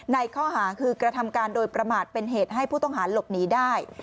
ในข้อหาคือกระทำการโดยประมาทเป็นเหตุให้ผู้ต้องหาหลบหนีได้